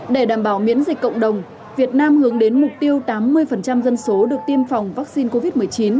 để đảm bảo miễn dịch cộng đồng việt nam hướng đến mục tiêu tám mươi dân số được tiêm phòng vaccine covid một mươi chín